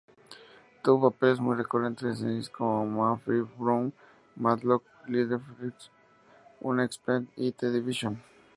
Tuvo papeles recurrentes en series como "Murphy Brown", "Matlock", "Life Unexpected", y "The Division.